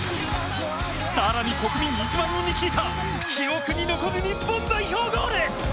更に、国民１万人に聞いた記憶に残る日本代表ゴール。